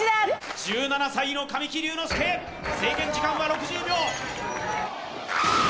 １７歳の神木隆之介制限時間は６０秒あーっ！